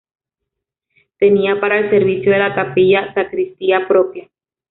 Tenía, para el servicio de la capilla, sacristía propia.